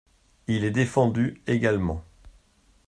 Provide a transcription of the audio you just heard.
Il est défendu également.